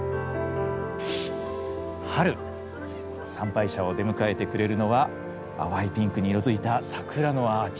春参拝者を出迎えてくれるのは淡いピンクに色づいた桜のアーチ。